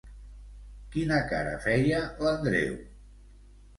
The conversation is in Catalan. Quina cara feia l'Andreu?